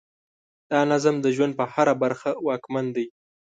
دا نظم د ژوند په هره برخه واکمن دی.